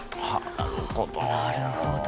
なるほどね。